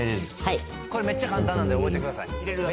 はいこれめっちゃ簡単なんで覚えてください入れるだけ？